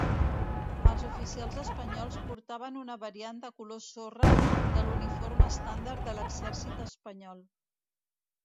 Els oficials espanyols portaven una variant de color sorra de l'uniforme estàndard de l'exèrcit espanyol.